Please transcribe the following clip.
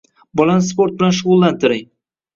Bolani sport bilan shug‘ullantiring.